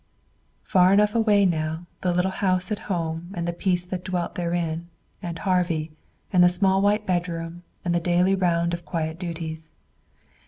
Far enough away now, the little house at home and the peace that dwelt therein; and Harvey; and the small white bedroom; and the daily round of quiet duties.